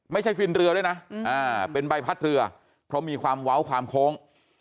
ฟินเรือด้วยนะเป็นใบพัดเรือเพราะมีความเว้าความโค้ง